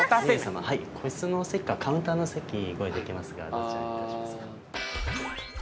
個室のお席かカウンターのお席ご用意できますがどちらにいたしますか？